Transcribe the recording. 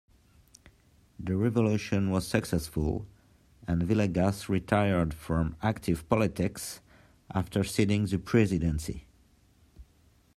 The revolution was successful, and Villegas retired from active politics after ceding the presidency.